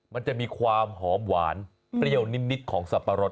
มันจะมีความหอมหวานเปรี้ยวนิดของสับปะรด